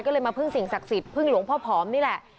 ก็เลยมาพึ่งสิ่งศักดิ์สิทธิพึ่งหลวงพ่อผอมนี่แหละ